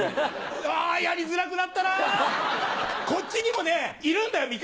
やりづらくなったな、こっちにもいるんだよ、味方。